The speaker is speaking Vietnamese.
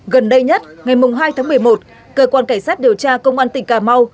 gần đây nhất ngày hai tháng một mươi một cơ quan cảnh sát điều tra công an tỉnh cà mau